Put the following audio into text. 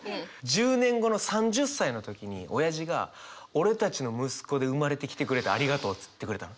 １０年後の３０歳の時におやじが「俺たちの息子で生まれてきてくれてありがとう」っつってくれたの。